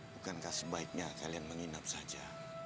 bukankah sebaiknya kalian menginap saja